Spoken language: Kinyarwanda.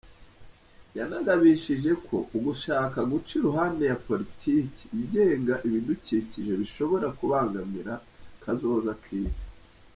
Yanagabishije ko ugushaka guca iruhande ya politike igenga ibidukikije bishobora kubangamira kazoza k’isi.